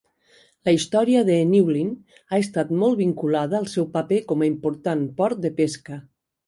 La història de Newlyn ha estat molt vinculada al seu paper com a important port de pesca.